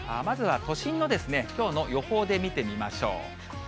まずは都心のきょうの予報で見てみましょう。